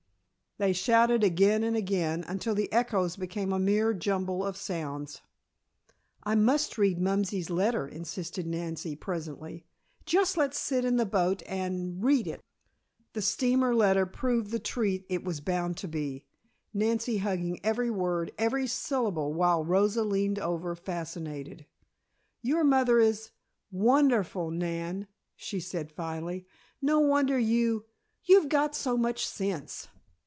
They shouted again and again, until the echoes became a mere jumble of sounds. "I must read Mumsey's letter," insisted Nancy presently. "Just let's sit in the boat and read it." The steamer letter proved the treat it was bound to be, Nancy hugging every word, every syllable, while Rosa leaned over, fascinated. "Your mother is wonderful, Nan," she said finally. "No wonder you you've got so much sense."